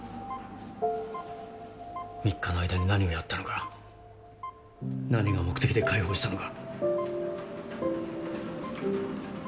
３日の間に何をやったのか何が目的で解放したのか。